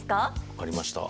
分かりました。